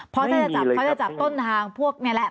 เพราะด้วยสำคังเขาจะจับต้นทางพวกนี้แหละ